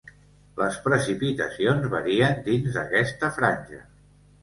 Les precipitacions varien dins d'aquesta franja.